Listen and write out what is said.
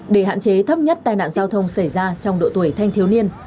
để hạn chế thấp nhất tai nạn giao thông xảy ra trong độ tuổi thanh thiếu niên